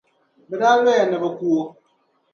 Bɛ daa lɔya ni bɛ ku o.